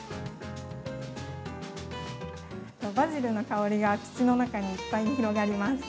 バジルの香りが口の中にいっぱいに広がります。